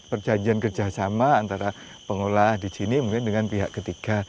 perjanjian kerja sama antara pengelola di sini mungkin dengan pihak ketiga